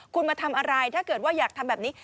คุณมาทำอะไรถ้าเกิดว่าอยากทำแบบนี้